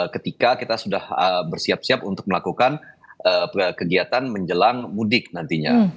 ketika kita sudah bersiap siap untuk melakukan kegiatan menjelang mudik nantinya